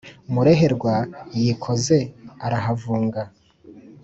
mureherwa yikoze arahavunga!